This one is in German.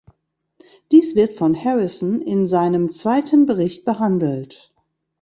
Dies wird von Harrison in seinem zweiten Bericht behandelt.